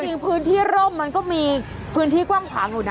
จริงพื้นที่ร่มมันก็มีพื้นที่กว้างขวางอยู่นะ